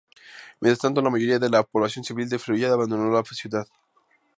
Mientras tanto, la mayoría de la población civil de Faluya abandonó la ciudad.